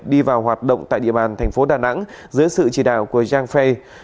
đi vào hoạt động tại địa bàn thành phố đà nẵng dưới sự chỉ đạo của giang pheng